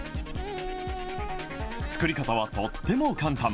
作り方はとっても簡単。